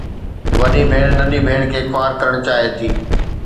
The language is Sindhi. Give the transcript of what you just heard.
وڏي ڀيڻ ننڍي ڀيڻ کي خوار ڪرڻ چاهي ٿي.